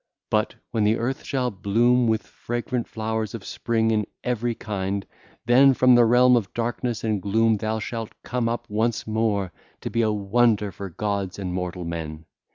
But when the earth shall bloom with the fragrant flowers of spring in every kind, then from the realm of darkness and gloom thou shalt come up once more to be a wonder for gods and mortal men.